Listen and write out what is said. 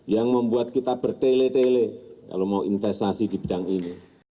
yang membuat kita bertele tele kalau mau investasi di bidang ini